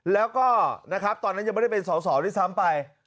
แล้วก็นะครับตอนนั้นยังไม่ได้เป็นสอสอด้วยซ้ำไป